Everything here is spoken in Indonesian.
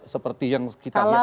seperti yang kita lihat